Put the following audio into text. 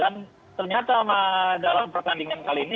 dan ternyata dalam pertandingan kali ini